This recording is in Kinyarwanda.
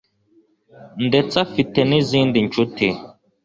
ndetse afite n'izindi nshuti